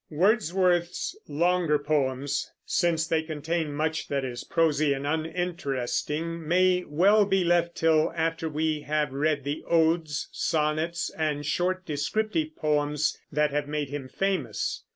Wordsworth's longer poems, since they contain much that is prosy and uninteresting, may well be left till after we have read the odes, sonnets, and short descriptive poems that have made him famous.